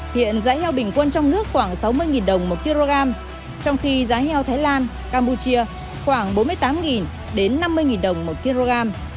hiện giá heo bình quân trong nước khoảng sáu mươi đồng một kg trong khi giá heo thái lan campuchia khoảng bốn mươi tám đến năm mươi đồng một kg